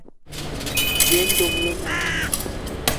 Yen dom le moní.